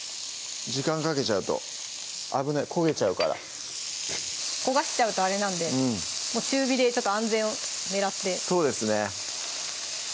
時間かけちゃうと危ない焦げちゃうから焦がしちゃうとあれなんでもう中火でちょっと安全を狙ってそうですね